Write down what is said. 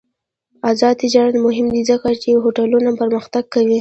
آزاد تجارت مهم دی ځکه چې هوټلونه پرمختګ کوي.